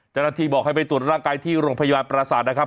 เจ้าหน้าที่บอกให้ไปตรวจร่างกายที่โรงพยาบาลประสาทนะครับ